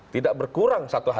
tidak berkurang satu hal